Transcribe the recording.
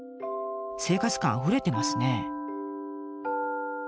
生活感あふれてますね。